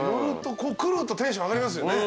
来るとテンション上がりますよね。